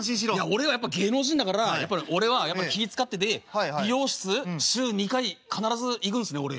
俺はやっぱ芸能人だから俺は気ぃ遣ってて美容室週２回必ず行くんですね俺。